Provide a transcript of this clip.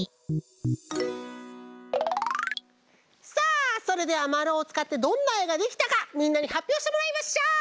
さあそれではまるをつかってどんなえができたかみんなにはっぴょうしてもらいましょう！